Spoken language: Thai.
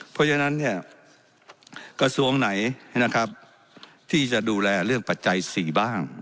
เพราะฉะนั้นเนี่ยกระทรวงไหนนะครับที่จะดูแลเรื่องปัจจัย๔บ้าง